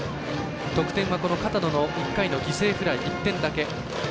得点は片野の１回の犠牲フライ１点だけ。